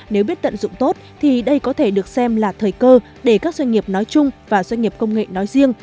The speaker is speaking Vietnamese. nếu biết tận dụng tốt thì đây có thể được xem là thời cơ để các doanh nghiệp nói chung và doanh nghiệp công nghệ nói riêng